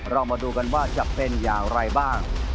เรามาดูกันว่าจะเป็นอย่างไรบ้าง